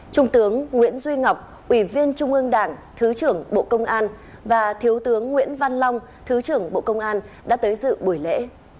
trung tướng nguyễn duy ngọc ủy viên trung ương đảng thứ trưởng bộ công an và thiếu tướng nguyễn văn long thứ trưởng bộ công an đã tới dự buổi lễ